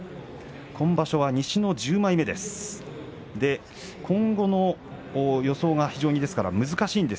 今場所は西１０枚目です。